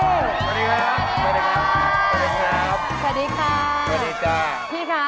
สวัสดีครับสวัสดีครับสวัสดีครับสวัสดีครับสวัสดีครับสวัสดีครับ